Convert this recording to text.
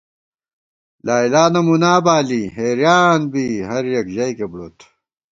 لیلی نہ مُونا بالی حېریان بی ہر یَک ژَئیکےبُڑوت